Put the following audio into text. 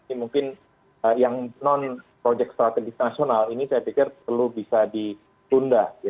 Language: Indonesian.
ini mungkin yang non projek strategis nasional ini saya pikir perlu bisa ditunda